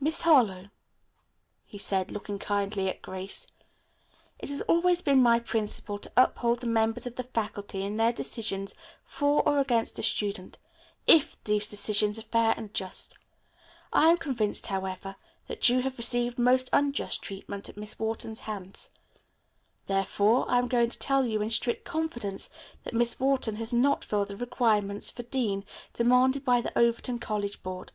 "Miss Harlowe," he said, looking kindly at Grace, "it has always been my principle to uphold the members of the faculty in their decisions for or against a student, if these decisions are fair and just. I am convinced, however, that you have received most unjust treatment at Miss Wharton's hands. Therefore I am going to tell you in strict confidence that Miss Wharton has not filled the requirements for dean demanded by the Overton College Board.